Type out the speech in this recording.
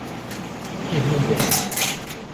kevnidenn